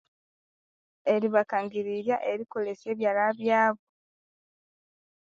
Eribakangirirya erikolesya ebyalha byabu